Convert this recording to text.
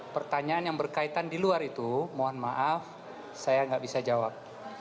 pertanyaan yang berkaitan di luar itu mohon maaf saya nggak bisa jawab